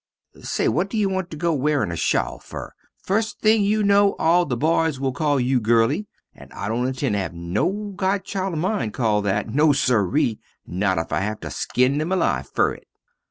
Say what you want to go wearin a shawl fer, fust thing you no all the boys will call you girly, and I dont intend to have no godchild of mine cald that, no siree, not if I have to skin them alive fer it.